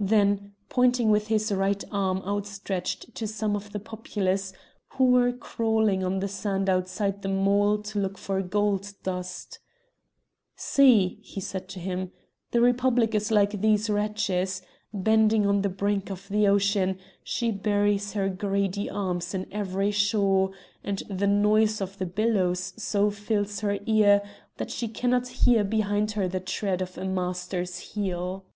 Then, pointing with his right arm outstretched to some of the populace who were crawling on the sand outside the mole to look for gold dust: "See!" he said to him, "the Republic is like these wretches: bending on the brink of the ocean, she buries her greedy arms in every shore, and the noise of the billows so fills her ear that she cannot hear behind her the tread of a master's heel!"